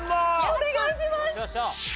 お願いします！